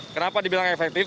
kenapa dibilang efektif